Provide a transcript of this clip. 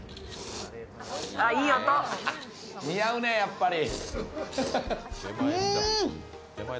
似合うね、やっぱり。